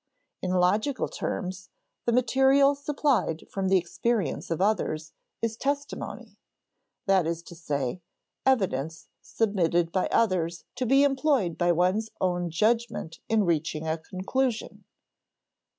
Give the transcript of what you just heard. In logical terms, the material supplied from the experience of others is testimony: that is to say, evidence submitted by others to be employed by one's own judgment in reaching a conclusion.